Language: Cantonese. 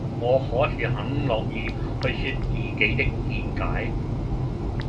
我可是很樂意去說自己的見解